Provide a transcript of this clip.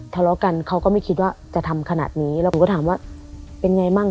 ทะเลาะกันเขาก็ไม่คิดว่าจะทำขนาดนี้แล้วผมก็ถามว่าเป็นไงมั่ง